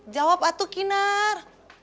jawab atuh kinar